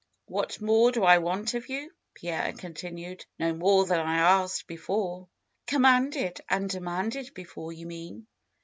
^^What more do I want of you?" Pierre continued. '^No more than I asked before " Commanded and demanded before, you mean!"